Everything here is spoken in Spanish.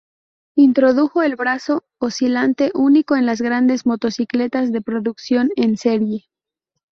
Introdujo el brazo oscilante, único en las grandes motocicletas de producción en serie.